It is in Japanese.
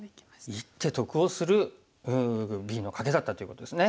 １手得をするＢのカケだったということですね。